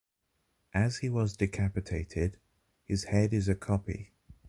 As he was decapitated, his head is a copy.